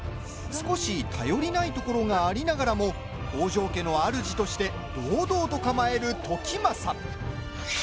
少し頼りないところがありながらも北条家のあるじとして堂々と構える時政。